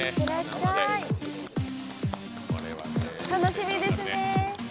楽しみですね！